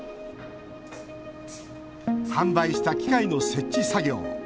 販売した機械の設置作業。